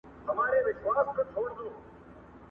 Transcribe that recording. او هر شیبه ددې رنګینې نړۍ